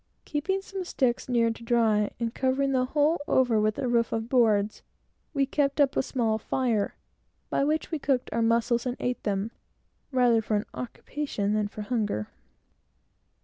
Keeping some sticks near, to dry, and covering the whole over with a roof of boards, we kept up a small fire, by which we cooked our mussels, and ate them, rather for an occupation than from hunger.